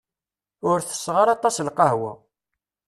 Ur tesseɣ ara aṭas lqahwa.